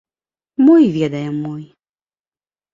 Мо і ведае мой.